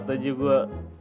saya harus berdoa